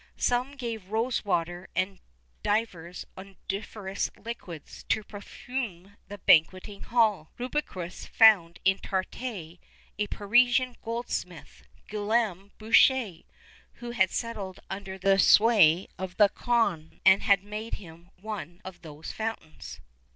Some gave rose water and divers odoriferous liquids to perfume the banqueting hall. Rubruquis found in Tartary a Parisian goldsmith, Guillaume Boucher, who had settled under the sway of the Khan, and had made him one of those fountains.